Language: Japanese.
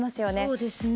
そうですね。